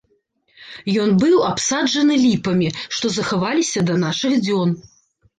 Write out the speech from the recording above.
Ён быў абсаджаны ліпамі, што захаваліся да нашых дзён.